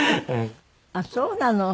あっそうなの。